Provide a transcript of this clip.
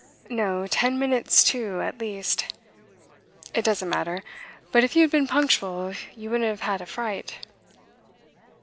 'No ten minutes to at least. It doesn't matter, but if you had been punctual you wouldn't have had a fright.